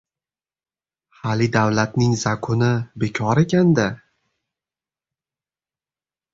— Hali davlatning zakuni bekor ekan-da!